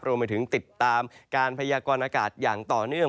รวมไปถึงติดตามการพยากรณากาศอย่างต่อเนื่อง